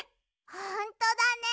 ほんとだね。